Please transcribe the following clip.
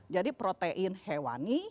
jadi protein hewani